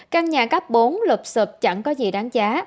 căn nhà cấp bốn lụp sụp chẳng có gì đáng giá